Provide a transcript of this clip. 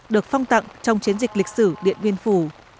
được phong tặng trong chiến dịch lịch sử điện biên phủ